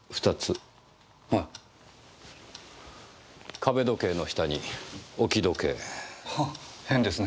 壁時計の下に置き時計。は変ですね。